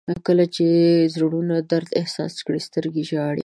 • کله چې زړونه درد احساس کړي، سترګې ژاړي.